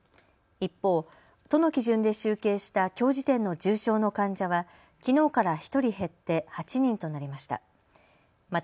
一方、都の基準で集計したきょう時点の重症の患者はきのうから１人減って８人となりました。